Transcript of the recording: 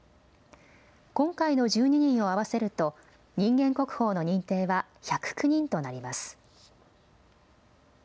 今回の１２人を合わせると人間国宝の認定は１０９人となります。